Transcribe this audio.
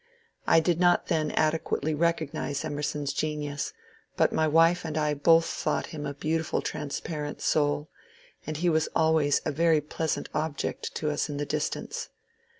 I did not then adequately recognize Emerson's genius, but my wife and I both thought him a beautiful trans parent soul, and he was always a very pleasant object to us in the distance.